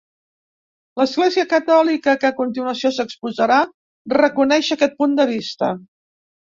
L'Església catòlica, que a continuació s'exposarà, reconeix aquest punt de vista.